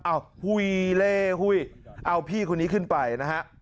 อ้าวฮุยเล่ฮุยเอาพี่คนนี้ขึ้นไปนะฮะ